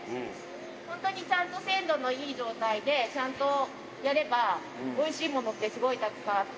本当にちゃんと鮮度のいい状態で、ちゃんとやれば、おいしいものってすごいたくさんあって。